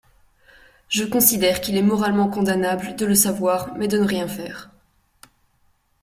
Je considère qu’il est moralement condamnable de le savoir mais de ne rien faire.